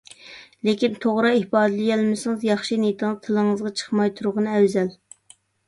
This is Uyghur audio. لېكىن توغرا ئىپادىلىيەلمىسىڭىز ياخشى نىيىتىڭىز تىلىڭىزغا چىقماي تۇرغىنى ئەۋزەل.